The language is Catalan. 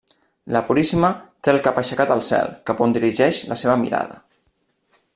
La Puríssima té el cap aixecat al cel, cap on dirigeix la seva mirada.